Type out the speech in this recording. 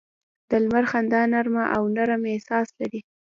د لمر خندا نرمه او نرم احساس لري